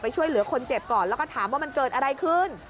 ช่วยเหลือคนเจ็บก่อนแล้วก็ถามว่ามันเกิดอะไรขึ้น